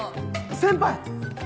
先輩！